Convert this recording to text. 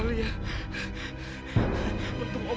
aduh ajaib sekali ya